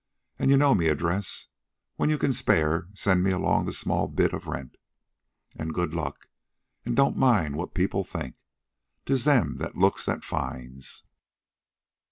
An' you know me address. When you can spare send me along that small bit of rent. An' good luck. An' don't mind what people think. 'Tis them that looks that finds."